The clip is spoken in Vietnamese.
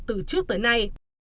từ trước tới nay